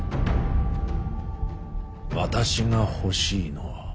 私が欲しいのは。